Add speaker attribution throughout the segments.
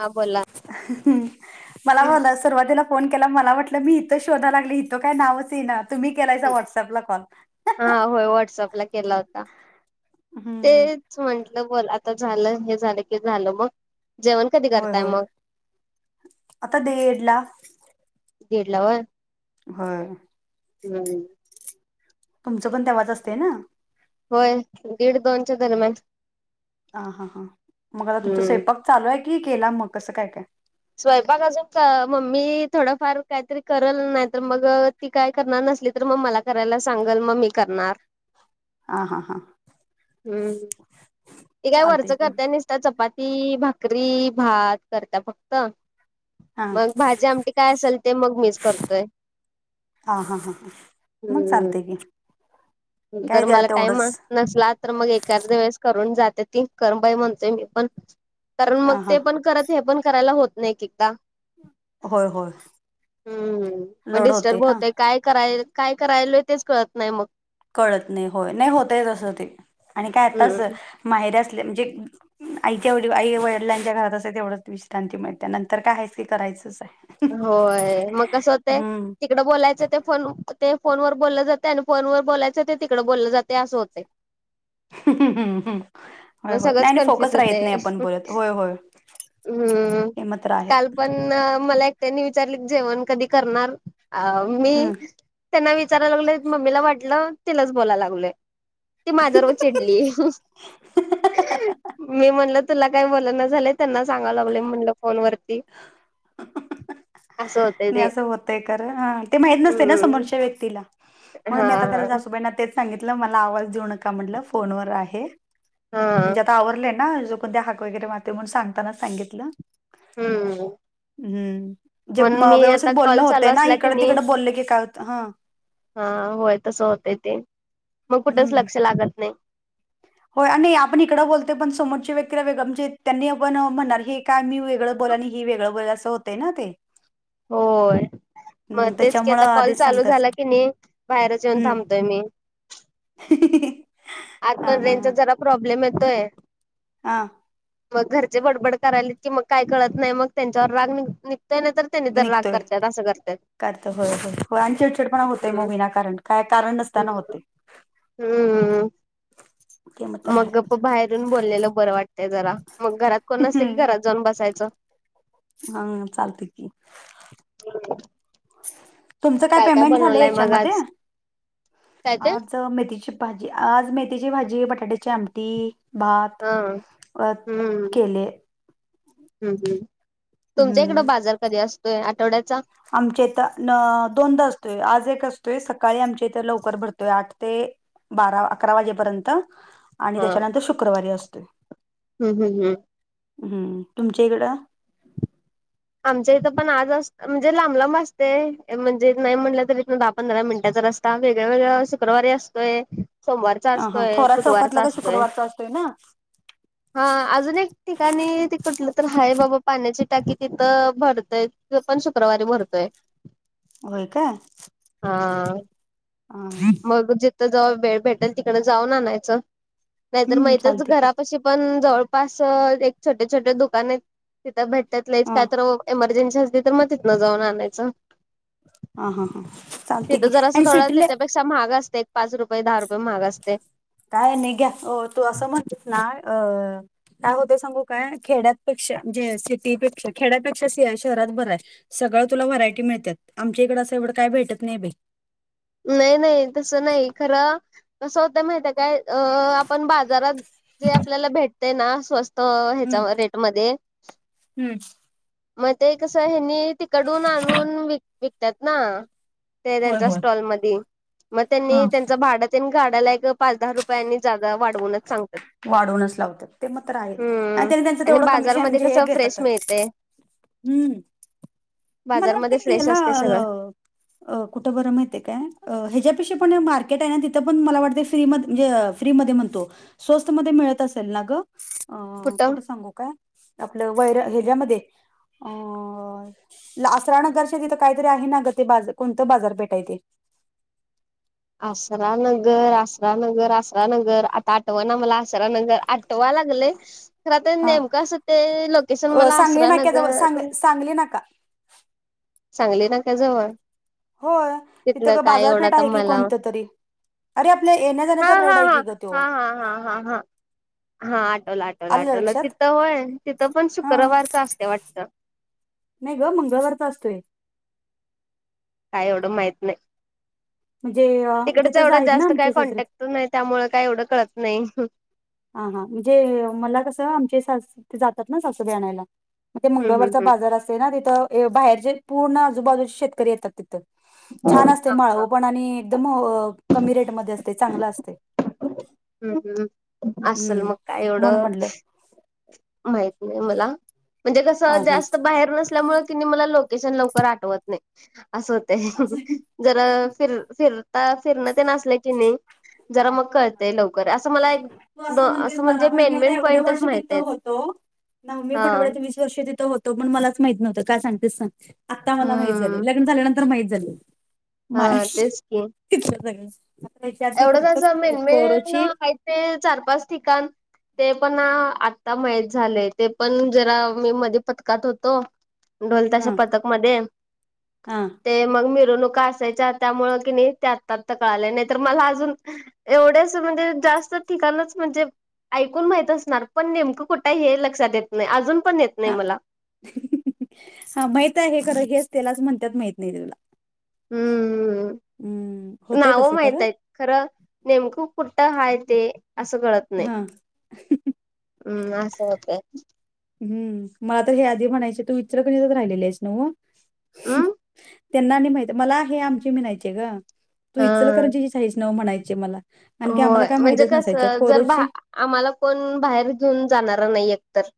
Speaker 1: हा बोला.
Speaker 2: मला म्हणाय सुरवातीला फोन केला मला वाट म्हटलं मी इथं शोधा लागले इथं काय नावच येईना तुम्ही केलायसा
Speaker 1: हम
Speaker 2: व्हॉट्सअपला कॉल.
Speaker 1: हा होय व्हॉटअपला केला होता. ते
Speaker 2: हम्म.
Speaker 1: तेच म्हटलं बोल आता झालं हे झालं की झालं मग जेवण. कधी
Speaker 2: होय
Speaker 1: करताय
Speaker 2: होय
Speaker 1: मग
Speaker 2: आता देहडला
Speaker 1: दीड ला होय.
Speaker 2: होय.
Speaker 1: हम्
Speaker 2: तुमचं पण तेव्हाच असतय ना?
Speaker 1: होय दीड दोनच्या दरम्यान
Speaker 2: हा, हा, हा, मग आता तुमचा
Speaker 1: हम्म
Speaker 2: स्वयंपाक चालू आय की केला मग कसं काय काय?
Speaker 1: स्वयंपाक आजून क मम्मी थोडंफार काहीतरी करल नाही तर मग ती काय करणार नसली तर म मला करायला सांगल म मी करणार.
Speaker 2: आ, हा, हा.
Speaker 1: हम्म ती काय वरच
Speaker 2: चालतय की
Speaker 1: करत्या निसत चपाती, भाकरी, भात करत्या फक्त
Speaker 2: हा
Speaker 1: मग भाजी, आमटी काय असल ते मग मिच करतोय.
Speaker 2: हा, हा, हा, हा मग चालतय की.
Speaker 1: मग
Speaker 2: काय
Speaker 1: जर
Speaker 2: द्या
Speaker 1: मला टाइम
Speaker 2: तेवढंच
Speaker 1: नसला तर मग एकाद्या वेळेस करून जाते ती कर बाई म्हणतोय मी पण. कारण मग
Speaker 2: हा हा
Speaker 1: ते पण करत हे पण करायला होत नाही एकेकदा.
Speaker 2: होय होय
Speaker 1: हम मग
Speaker 2: लोड होते
Speaker 1: डिस्टर्ब
Speaker 2: ना
Speaker 1: होतय. काय कराय काय करायलोय तेच कळत नाही मग.
Speaker 2: कळत नाही होय नाही होतय तसं ते आणि काय आताच
Speaker 1: हम्म
Speaker 2: माहेरी असल्या म्हणजे आईच्या वढी आई वडिलांच्या घरात असतय तेवढंच विश्रांती मिळते नंतर काय हायचं की करायचंच हाय.
Speaker 1: होय मग कस होतय ती कडं बोलायचं ते फोन ते फोनवर बोल जातय आण फोनवर बोलायचं ते तिकडं बोललं जातय आसं होतय.
Speaker 2: [unintelligible] होय
Speaker 1: मग
Speaker 2: होय
Speaker 1: सगळंच
Speaker 2: नाही नाही फोकस
Speaker 1: कन्फ्युज
Speaker 2: राहीत
Speaker 1: होतय
Speaker 2: नाही आपण बोलत होय होय
Speaker 1: हम्म
Speaker 2: हे मात्र आहे.
Speaker 1: काल पण मला एकट्यानी विचारलीत जेवण कधी करणार आव मी
Speaker 2: हम्म.
Speaker 1: त्यांना विचाराय लागलोय मम्मीला वाटलं तिलाच बोलाय लागलोय. ती माझ्यावर चिडली मी म्हणल तुला काय बोलना झालंय त्यांना सांगालागलोय म्हटलं फोन वरती. आसं हो
Speaker 2: नाही आसं होतय खर हा ते माहीत नसतय ना
Speaker 1: हम्म
Speaker 2: समोरच्या व्यक्तीला म्हणून
Speaker 1: हा
Speaker 2: मी आता त्याला सासूबाईना तेच सांगितलं मला आवाज देऊ नका म्हटलं फोनवर आहे.
Speaker 1: हा
Speaker 2: म्हणजे आ ता आवरलय ना चुकून ते हाक वगैरे मारते म्हणून सांगतानाच सांगितलं
Speaker 1: हम्म
Speaker 2: हम्.
Speaker 1: म्हणून मी आता कॉल चालू असला की
Speaker 2: इकडं
Speaker 1: नी
Speaker 2: तिकडं बोललं की काय होतं हां.
Speaker 1: हा होय तस होतंय ते मग कुठच
Speaker 2: हम्म.
Speaker 1: लक्ष लागत नाही.
Speaker 2: होय आणि आपण इकडं बोलतोय पण समोरचे व्यक्तीला वेगळ म्हणजे त्यांनी आपण म्हणार हे काय मी वेगळं बोला आणि ही वेगळं बोल असं होतं ना ते
Speaker 1: ह [unintelligible] होय
Speaker 2: हं
Speaker 1: मग तेच की
Speaker 2: त्याच्यामुळं
Speaker 1: आता कॉल
Speaker 2: आधीच
Speaker 1: चालू
Speaker 2: सांगताच
Speaker 1: झाला की नाही बाहेरच येऊन थांबतोय मी
Speaker 2: ह [unintelligible]
Speaker 1: आत पण रेंजचा जरा प्रॉब्लेम येतोय.
Speaker 2: हा
Speaker 1: मग घरचे बडबड करायलेत की मग काय कळत नाही मग त्यांच्यावर राग नि निघतोय ना तर त्यांनी तर राग करतात असं करत्यात.
Speaker 2: करत होय हो हो आणि चिडचिड पण होते
Speaker 1: हम्म.
Speaker 2: मुवी ना कारण काय कारण नसताना होते.
Speaker 1: हम्म
Speaker 2: ते तर
Speaker 1: मग
Speaker 2: आहे.
Speaker 1: गप् बाहेरून बोललेलं बरं वाटतंय जरा मग घरात कोण नसले की घरात जाऊन बसायचं.
Speaker 2: हा चालते की.
Speaker 1: [inaudible]
Speaker 2: तुमच काय पेमेंट झालंय
Speaker 1: बनवलाय मग
Speaker 2: हेच्यामधे?
Speaker 1: आज? काय ते?
Speaker 2: आज त मेथीची भाजी आज मेथीची भाजी, बटाट्याची आमटी भात
Speaker 1: हा
Speaker 2: अ केले.
Speaker 1: हुं, हुं तुमच्या इकडं
Speaker 2: हम्म
Speaker 1: बाजार कधी असतोय आठवड्याचा?
Speaker 2: आमच्या इथं दोनदा असतोय आज एक असतोय सकाळी आमच्या इथं लवकर भरतोय आठ ते बारा, अकरा वाजेपर्यंत आणि
Speaker 1: हा
Speaker 2: त्याच्यानंतर शुक्रवारी असतोय
Speaker 1: हम्म हम्म हम्म.
Speaker 2: हम् तुमच्या इकडं?
Speaker 1: आमच्या इथं पण आज अस म्हणजे लांब लांब असते म्हणजे नाही म्हटलं तरी इथन दहा पंधरा मिनिटाचा रस्ता. आता वेगळ्या वेगळ्या शुक्रवारी असतोय. सोमवारचा
Speaker 2: ह हा
Speaker 1: असतोय
Speaker 2: थोरा चौकातला
Speaker 1: बुधवारचा
Speaker 2: का
Speaker 1: असतोय.
Speaker 2: शुक्रवारचा असतोय ना
Speaker 1: हा अजून एक ठिकाणी ते कटलं तर हाय बाबा पाण्याची टाकी तिथं भरतय पण शुक्रवारी भरतोय.
Speaker 2: होय का?
Speaker 1: हा
Speaker 2: हा
Speaker 1: मग जिथं जवळ वेळ भेटेल तिकडं जाऊन आणयचं. नाहीतर म
Speaker 2: हम्म
Speaker 1: हितचं
Speaker 2: चालते की
Speaker 1: घरापशी पण जवळ पास एक छोटे छोटे दुकान आहे तिथं भेटत नाहीच
Speaker 2: ह
Speaker 1: काय तर एमर्जन्सी असली तर मग तिथनं जाऊन आणायचं.
Speaker 2: हा हा हा चालते
Speaker 1: तिथं
Speaker 2: की
Speaker 1: जर असं
Speaker 2: आणि
Speaker 1: थोडं
Speaker 2: सेटला
Speaker 1: त्याच्यापेक्षा महाग असते एक पाच रुपये दहा रुपये महाग असते.
Speaker 2: काय नाही घ्या अ तू असं म्हणतस ना अ काय होत सांगू काय खेड्यापेक्षा म्हणजे सिटीपेक्षा खेड्यापेक्षा शहरात बरं आहे. सगळं तुला व्हरायटी मिळतात आमच्या इकडे असं एवढं काय भेटत नाही बाई.
Speaker 1: नाही नाही तसं नाही खरं कस होतं माहिताय काय? अ आपण बाजारात जे आपल्याला भेटते ना स्वस्त त
Speaker 2: हम्म
Speaker 1: ह्याच्या रेटमध्ये
Speaker 2: हम्म
Speaker 1: मग ते कसं हेनी तिकडून आणून व विकतात ना ते
Speaker 2: होय
Speaker 1: त्यांच्या
Speaker 2: होय.
Speaker 1: मग त्यांनी
Speaker 2: हा
Speaker 1: त्यां भाड्याला पाच, दहा रुपयां आणि वाढवूनच सांगतात.
Speaker 2: वाढवूनच लावतात ते मग तर आहे आणि
Speaker 1: हम्म
Speaker 2: त्यांनी त्यांचं
Speaker 1: आणि
Speaker 2: तेवढं कमीशन
Speaker 1: बाजारमध्ये
Speaker 2: म्हणजे हे
Speaker 1: कसं फ्रेश
Speaker 2: घेतातच.
Speaker 1: मिळते
Speaker 2: हम्म मला वाते
Speaker 1: बाजारमध्ये फ्रेश
Speaker 2: एला
Speaker 1: असते सगळं
Speaker 2: अ अ कुठं बरं माहितय काय ह्याच्यापेक्षा पण मार्केट आहे ना तिथं पण मला वाटतं फ्री म म्हणजे फ्री म म्हणतो स्वस्त म मिळत असेल ना
Speaker 1: कुठं
Speaker 2: गोट सांगू काय? आपलं वैर हच्यामध्ये अ आसरा नगरच्या तिथं काहीतरी आहे ना ग ते बाार कोणतं बाजारपेठाय ते
Speaker 1: आसरा नगर, आसरा नगर, आसरा नगर आता आठव ना मला आसरा नगर. आठवा लागलय तर आता
Speaker 2: हा
Speaker 1: नेमकं असं ते लोकेशन
Speaker 2: अ,
Speaker 1: मला
Speaker 2: सांगली
Speaker 1: आसरा
Speaker 2: नाक्याजवळ सांग
Speaker 1: नगर
Speaker 2: सांगली नाका
Speaker 1: सांगली नाक्या जवळ,
Speaker 2: होय तिथं
Speaker 1: तिथलं
Speaker 2: ग
Speaker 1: काय एवढं
Speaker 2: बाजारपेठ
Speaker 1: आता
Speaker 2: आहे की
Speaker 1: मला
Speaker 2: कोणतं तरी? अरे! आपल्या येण्या
Speaker 1: हा
Speaker 2: जाण्याचा
Speaker 1: हा
Speaker 2: रोड आहे की
Speaker 1: हा
Speaker 2: गं तो
Speaker 1: हा हा हा हा हा हा आठवलं आठवलं
Speaker 2: आलं
Speaker 1: आठवलं
Speaker 2: लक्षात
Speaker 1: तिथं होय तिथं पण
Speaker 2: हा
Speaker 1: शुक्रवारचं असतयं वाटतं.
Speaker 2: नाही गं मंगळवारचा असतोय.
Speaker 1: काय एवढं माहित नाही
Speaker 2: म्हणजे अ,
Speaker 1: तिकडच
Speaker 2: तिथंच
Speaker 1: एवढं
Speaker 2: आहेत ना
Speaker 1: जास्त काय
Speaker 2: आमचे सासरे
Speaker 1: कॉन्टॅक्ट नाहीत. त्यामुळे काय एवढं कळत नाही.
Speaker 2: हा हा म्हणजे मला कसं आमचे सासरे जातात ना सासुबाईला आणायला. ते
Speaker 1: हम्म हम्म
Speaker 2: मंगळवारचा
Speaker 1: हम्म
Speaker 2: बाजार असतोय ना तिथं बाहेरचे पूर्ण आजूबाजूचे शेतकरी येतात तिथं. छान असतयं
Speaker 1: हा हा
Speaker 2: माळवं पण आणि एकदम अ कमी रेटमध्ये असतयं चांगलं असतयं.
Speaker 1: हम्म हम् असलं
Speaker 2: हम्म
Speaker 1: मग काय
Speaker 2: म्हणून
Speaker 1: एवढं
Speaker 2: म्हटलं
Speaker 1: माहीत नाही मला म्हणजे कस
Speaker 2: हा हा
Speaker 1: जास्त बाहेर नसल्यामुळे कीणी मला लोकेशन लवकर आठवत नाही असं होतंय
Speaker 2: असं-
Speaker 1: जरा फिर फिरता फिरण ते असलं की नाही. जरा मग कळते लवकर असं मला
Speaker 2: तू
Speaker 1: एक
Speaker 2: म्हणतेस
Speaker 1: असं
Speaker 2: मला
Speaker 1: म्हणजे
Speaker 2: पण मी
Speaker 1: मेन मेन पॉईंटच माहित आहे
Speaker 2: नाही मी पण एवढं वीस वर्ष तिथं होतो पण मलाच माहीत नव्हतं काय सांगतेस सांग. आता मला माहित
Speaker 1: हम्म
Speaker 2: झाले लग्न झाल्यानंतर माहित झाले
Speaker 1: हा
Speaker 2: मा
Speaker 1: तेच की
Speaker 2: तिथंल सगळे [inaudible] [unintelligible]
Speaker 1: मेन मेन आहेत ना चार, पाच ठिकाणं ते पण आता माहीत झालंय ते पण जरा मी मध्ये पथकात होतो. ढोल ताशा
Speaker 2: हा
Speaker 1: पथक मध्ये
Speaker 2: हा
Speaker 1: ते मग मिरवणुका असायच्या त्यामुळं कणी ते आत्ता आत्ता कळालयं नाहीतर मला अजून, एवढे अस म्हणजे जास्त ठिकाणच म्हणजे? ऐकून माहीत असणार पण नेमकं कुठ हे लक्षात येत नाही अजून पण येत नाही
Speaker 2: हा
Speaker 1: मला
Speaker 2: हा माहित आहे हे खरं हेच त्यालाच म्हणतात माहित नाही तुला हम्म
Speaker 1: हम्मम्
Speaker 2: होतय
Speaker 1: नाव
Speaker 2: तसं
Speaker 1: माहीत
Speaker 2: खरं
Speaker 1: आहेत खरं नेमकं कुठं हाय ते असं कळतं नाही.
Speaker 2: हा
Speaker 1: हम्म असं होतंय.
Speaker 2: हम्म मला तर हे आधी म्हणायचे तू इचलकरंजीत राहिलेली आहेस नव्हं.
Speaker 1: हम्म
Speaker 2: त्यांना आणि माहित मला हे आमचे म्हणायचे गं तू
Speaker 1: हा
Speaker 2: इचलकरंजीचीच हाईस नव्हं म्हणायचे मला आणखी आम्हाला
Speaker 1: होय
Speaker 2: काय
Speaker 1: म्हणजे
Speaker 2: माहितच नसायचं
Speaker 1: कसं जर बा
Speaker 2: कोरोची
Speaker 1: आम्हाला कोण बाहेर घेऊन जाणार नाही एकतर.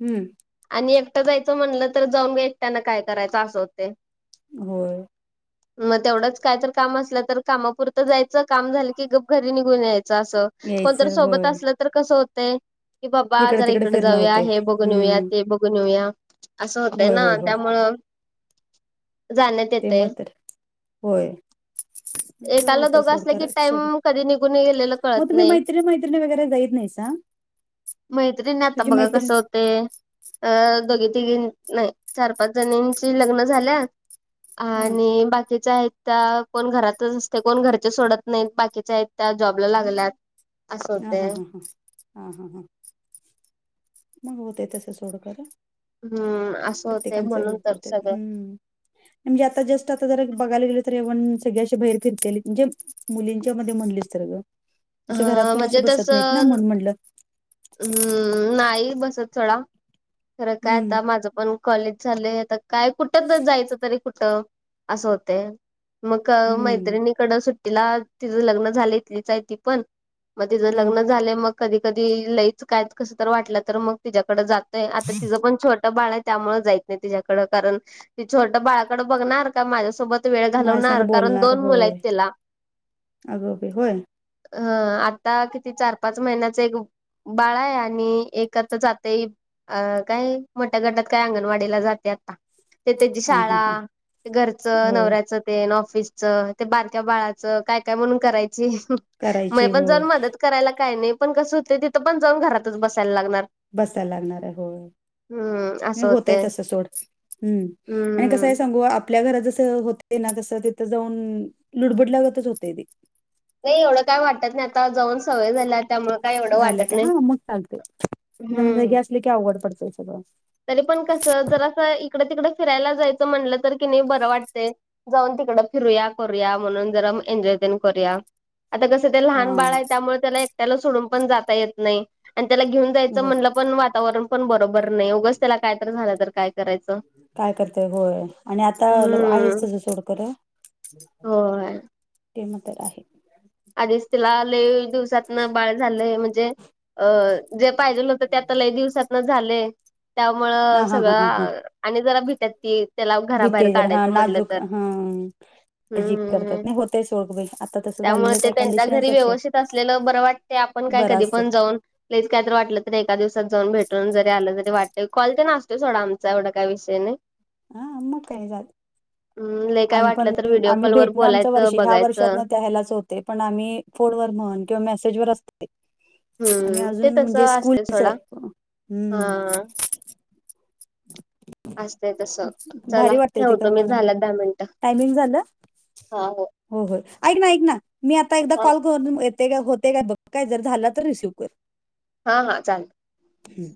Speaker 2: हम्म
Speaker 1: आणि एकटं जायचं म्हटलं तर जाऊन ग एकट्यान काय करायचं असं होतय.
Speaker 2: होय
Speaker 1: मग तेवढंच काय तर काम असलं तर कामापुरतं जायचं काम झालं की गप्प घरी निघून यायचं. चां असं कोणतर
Speaker 2: यायचं
Speaker 1: सोबत
Speaker 2: होय
Speaker 1: असलं तर कसं होतंय? की बाबा
Speaker 2: इकडं
Speaker 1: जरा
Speaker 2: तिकडे
Speaker 1: इकडे
Speaker 2: फिरणं
Speaker 1: जाऊया
Speaker 2: होतय
Speaker 1: हे बघून येऊया
Speaker 2: हम्म
Speaker 1: ते बघून येऊया. असं होतंय
Speaker 2: होय
Speaker 1: ना
Speaker 2: होय होय
Speaker 1: त्यामुळं जाण्यात ला
Speaker 2: ते
Speaker 1: येतंय
Speaker 2: मग तर होय ते
Speaker 1: एकाला
Speaker 2: होतय
Speaker 1: दोघं
Speaker 2: सोड
Speaker 1: असलं की,
Speaker 2: खरं सोबत
Speaker 1: टाईम कधी निघून गेलेला
Speaker 2: मग
Speaker 1: कळत
Speaker 2: तुम्ही
Speaker 1: नाही.
Speaker 2: मैत्री मैत्रिणी वगैरे जाईत नाहीसा
Speaker 1: मैत्रिणी आता
Speaker 2: तुझी
Speaker 1: बघा
Speaker 2: मैत्रीण
Speaker 1: कसं होतंय अ दोघी, तिघी नाही चार, पाच जणींची लग्न झाल्यात.
Speaker 2: हा
Speaker 1: आणि बाकीच्या आहेत त्या कोण घरातच असतय कोण घरचे सोडत नाहीत. बाकीच्या आहेत त्या जॉबला लागल्यात. असं
Speaker 2: हा हा
Speaker 1: होतंय.
Speaker 2: हा हा हा हा हां मग होतंय तसं सोड खरं
Speaker 1: हम्म असं होतय
Speaker 2: प्रत्येकांच वर
Speaker 1: म्हणून तर
Speaker 2: पडत
Speaker 1: सगळं
Speaker 2: हम्म म्हणजे आता जस्ट आता जर बघायला गेले तर एवन सगळे असे बाहेर फिरतेली म्हणजे, मुलींच्या मध्ये म्हणलेस तर ग
Speaker 1: अ
Speaker 2: असे घरात कोण अस
Speaker 1: म्हणजे
Speaker 2: बसत नाहीत ना
Speaker 1: तसं
Speaker 2: म्हणून म्हणलं
Speaker 1: हम्म नाही बसत सोडा खरं काय
Speaker 2: हम्म
Speaker 1: आता माझं पण कॉलेज झालंय आता काय कुठं जायचं तरी कुठं असं होतंय. मग
Speaker 2: हम्म
Speaker 1: मैत्रिणीकड सुट्टीला तिझ लग्न झालंय इतलीच आहे ती पण. मग तिझं
Speaker 2: हम्म
Speaker 1: लग्न झालं मग कधी कधी लईच काय कसं तर वाटलं तर मग तिच्याकड जात ते आता तिचं पण छोटं बाळ त्यामुळे जाईत नाही तिच्याकड कारण त छोटं बाळाकड बघणार का माझ्यासोबत वेळ
Speaker 2: माझ्या
Speaker 1: घालवणार
Speaker 2: संग
Speaker 1: कारण
Speaker 2: बोलणार
Speaker 1: दोन मुल
Speaker 2: होय
Speaker 1: आहेत तिला.
Speaker 2: अगं बाई होय
Speaker 1: आ आता किती चार पाच महिन्याच एक बाळा आहे आणि एक आता जातय अं काय मोठ्या गटात काय अंगणवाडीला जाते आता. ते त्याची
Speaker 2: हा हा
Speaker 1: शाळा
Speaker 2: हा
Speaker 1: ते घरचं
Speaker 2: होय
Speaker 1: नवऱ्याचं ऑफिस च ते बारक्या बाळाच काय काय म्हणून करायची म
Speaker 2: करायची
Speaker 1: पण
Speaker 2: होय
Speaker 1: जाऊन मदत करायला काय नाही पण कसं होतय तिथं पण जाऊन घरातच बसायला लागणार.
Speaker 2: बसायला लागणार आहे होय.
Speaker 1: हम्म
Speaker 2: नाही
Speaker 1: असं
Speaker 2: होतंय
Speaker 1: होते
Speaker 2: तसं सोड हं आणि कसं
Speaker 1: हम्म
Speaker 2: आहे सांगू आपल्या घरात जसं होतय ना तसं तिथं जाऊन लुडबुडल्यागतच होतंय ते.
Speaker 1: नाही एवढं काय वाटत नाही आता जाऊन सवय झाल्या त्यामुळ!
Speaker 2: झाल्या काय हा मग चालतय नवी
Speaker 1: हम्म
Speaker 2: जागी म असल की अवघड पडतय सगळं.
Speaker 1: तरी पण कस जर असं इकडे तिकडे फिरायला जायचं म्हणलं तर कि नाही बरं वाटतय. जाऊन तिकड फिरूया करूया म्हणून जरा एनजॉय तेन करूया. आता कसं ते
Speaker 2: हा
Speaker 1: लहान बाळ आहे त्यामुळे त्याला एकट्याला सोडून पण जाता येत नाही आणि त्याला घेऊन जायच
Speaker 2: हो
Speaker 1: म्हणलं पण वातावरण पण बरोबर नाही उगच त्याला काय तर झालं तर काय करायचं.
Speaker 2: काय करते होय आणि आता आहेच
Speaker 1: हम्म
Speaker 2: तस सोड खर.
Speaker 1: होय!
Speaker 2: ते म तर आहे.
Speaker 1: आधीच तिला लय दिवसातन बाळ झालंय म्हणजे अ जे पाहिजेल होत ते आता लई दिवसातन झालंय
Speaker 2: हा
Speaker 1: त्यामुळं
Speaker 2: हा हा हा
Speaker 1: सगळं आणि जरा भित्यात ती! त्याला घराबाहेर
Speaker 2: भीती हा जरा हा
Speaker 1: काढायचं म्हटलं
Speaker 2: नाजूक
Speaker 1: तर
Speaker 2: हा
Speaker 1: हम्म
Speaker 2: जी
Speaker 1: हम्म
Speaker 2: करतात
Speaker 1: हम्म
Speaker 2: नाही होतय सोड बाई आता तसं
Speaker 1: त्यामुळे
Speaker 2: झालंच
Speaker 1: ते
Speaker 2: आहे.
Speaker 1: त्यांच्या
Speaker 2: कंडिशनच
Speaker 1: घरी
Speaker 2: तशी आहे
Speaker 1: व्यवस्थित असलेलं बरं वाटतय आपण काय
Speaker 2: बरं
Speaker 1: कधी
Speaker 2: असतय
Speaker 1: पण जाऊन लयच काय तर वाटलं तरी एका दिवसात जाऊन भेटून जरी आला जरी वाटत कॉल तेन असतोय सोडा आमचा एवढा काय विषय नाही.
Speaker 2: हा अम काय जा
Speaker 1: हम्म लई काय
Speaker 2: आम्ही
Speaker 1: वाटलं
Speaker 2: पण
Speaker 1: तर व्हिडिओ
Speaker 2: आम्ही
Speaker 1: कॉलवर
Speaker 2: भेटण आमच
Speaker 1: बोलायचं
Speaker 2: वर्ष ह्या वर्षात
Speaker 1: बघायचं
Speaker 2: न त्या ह्यालाच होत य, पण आम्ही फोन वर म्हण किंवा मेसेज वर अस आणि
Speaker 1: हम्म ते
Speaker 2: अजून म्हणजे
Speaker 1: तसं असतंय
Speaker 2: स्कूलचे
Speaker 1: सोडा
Speaker 2: आहे हम्म!
Speaker 1: हा असतंय तसं. चला
Speaker 2: भारी वाटतंय ते तर
Speaker 1: ठेवतो मी
Speaker 2: म्हणून,
Speaker 1: झाल्यात दहा मिनिटं
Speaker 2: टायमिंग झालं? हो हो ऐक ना ऐक ना मी आता एकदा
Speaker 1: हा
Speaker 2: कॉल येतय का होतय काय जर झालं तर रिसिव्ह कर!
Speaker 1: हा हा चालेल!
Speaker 2: हम्म!